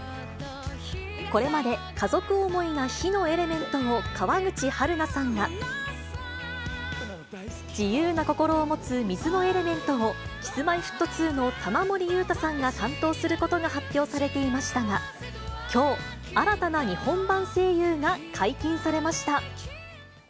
これまで家族思いな火のエレメントを川口春奈さんが、自由な心を持つ水のエレメントをＫｉｓ−Ｍｙ−Ｆｔ２の玉森裕太さんが担当することが発表されていましたが、きょう、新たな日本版声優が解禁されました。